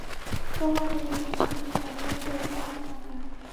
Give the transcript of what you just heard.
庄河源是台湾的漫画家。